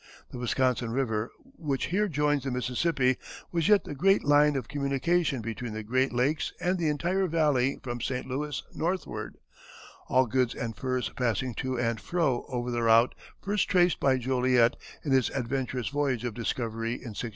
The Wisconsin River, which here joins the Mississippi, was yet the great line of communication between the great lakes and the entire valley from St. Louis northward, all goods and furs passing to and fro over the route first traced by Joliet in his adventurous voyage of discovery in 1673.